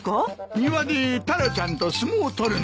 庭でタラちゃんと相撲を取るんだ。